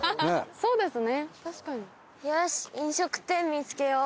そうですよね。